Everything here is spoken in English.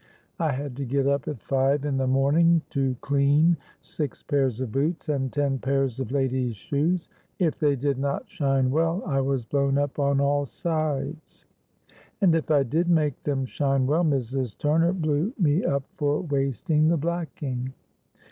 I had to get up at five in the morning to clean six pairs of boots and ten pairs of ladies' shoes. If they did not shine well, I was blown up on all sides; and if I did make them shine well, Mrs. Turner blew me up for wasting the blacking.